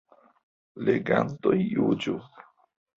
Legantoj juĝu.